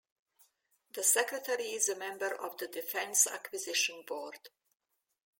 The Secretary is a member of the Defense Acquisition Board.